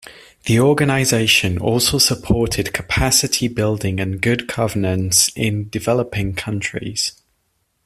The organisation also supported capacity building and good governance in developing countries.